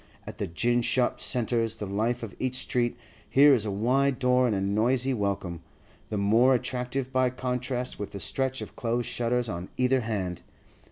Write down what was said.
At the gin shop centres the life of each street; here is a wide door and a noisy welcome, the more attractive by contrast with the stretch of closed shutters on either hand.